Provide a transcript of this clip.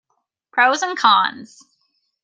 Pros and cons.